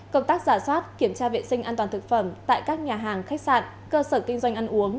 công tác giả soát kiểm tra vệ sinh an toàn thực phẩm tại các nhà hàng khách sạn cơ sở kinh doanh ăn uống